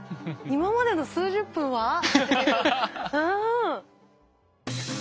今までの数十分は？